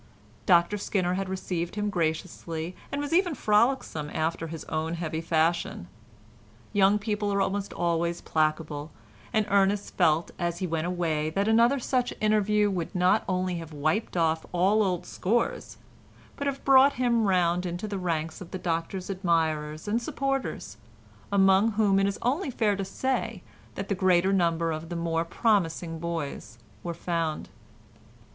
Dr Skinner received him graciously, and was even frolicsome after his own heavy fashion. Young people are almost always placable, and Ernest felt as he went away that another such interview would not only have wiped off all old scores, but have brought him round into the ranks of the Doctor's admirers and supporters—among whom it is only fair to say that the greater number of the more promising boys were found.